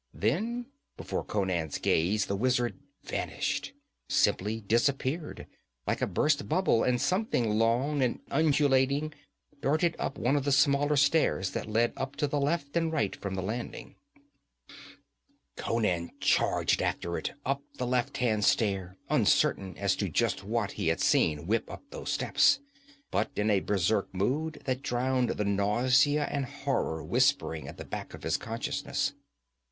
Then before Conan's gaze, the wizard vanished simply disappeared like a burst bubble, and something long and undulating darted up one of the smaller stairs that led up to left and right from the landing. Conan charged after it, up the left hand stair, uncertain as to just what he had seen whip up those steps, but in a berserk mood that drowned the nausea and horror whispering at the back of his consciousness.